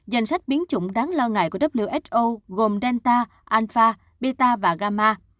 danh sách biến chủng đáng lo ngại của who gồm delta alpha beta và gamma